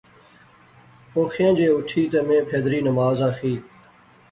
اُوخیاں جے اٹھی تہ میں پھیدری نماز آخی